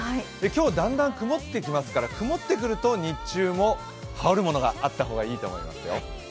今日、だんだん曇ってきますから、曇ってくると日中も羽織るものがあった方がいいと思いますよ。